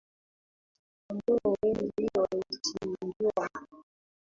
Kondoo wengi walichinjwa